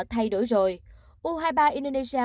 thay đổi rồi u hai mươi ba indonesia